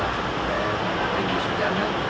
nah ini sejalan jalan